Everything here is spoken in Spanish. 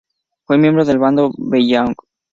Fue miembro del bando Beiyang.